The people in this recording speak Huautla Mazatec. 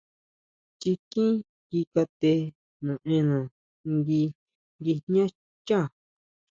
Chikín ki kate naʼena ngui nguijñá xchá.